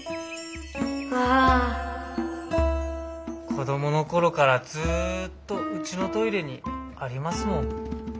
子どもの頃からずっとうちのトイレにありますもん。